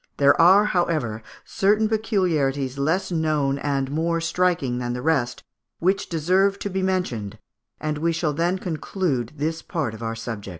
There are, however, certain peculiarities less known and more striking than the rest, which deserve to be mentioned, and we shall then conclude this part of our subject.